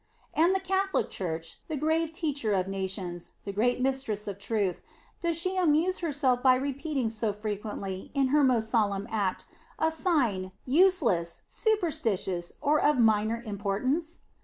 And the Catholic Church, the grave teacher of nations, the great mistress of truth, does she amuse herself by repeating so frequently in her most solemn act, a sign, useless, superstitious, or of minor importance?